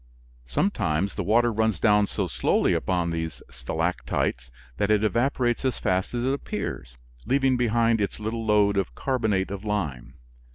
Sometimes the water runs down so slowly upon these stalactites that it evaporates as fast as it appears, leaving behind its little load of carbonate of lime.